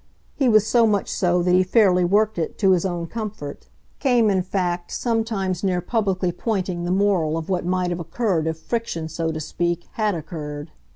He was so much so that he fairly worked it to his own comfort; came in fact sometimes near publicly pointing the moral of what might have occurred if friction, so to speak, had occurred.